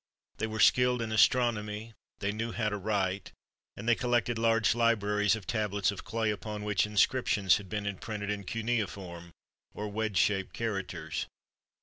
They were skilled in astronomy, they knew how to write, and they collected large libraries of tab lets of clay upon which inscriptions had been imprinted in cuneiform, or wedge shaped characters.